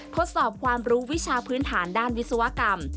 ทดสอบความรู้วิชาพื้นฐานด้านวิศวกรรม